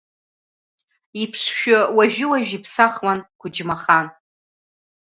Иԥшшәы уажәы-уажәы иԥсахуан Қәыџьмахан.